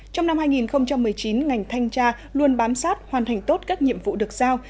trong năm hai nghìn một mươi chín ngành thanh tra luôn bám sát hoàn thành tốt các nhiệm vụ được giao